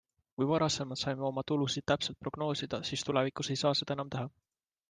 Kui varasemalt saime oma tulusid täpselt prognoosida, siis tulevikus ei saa seda enam teha.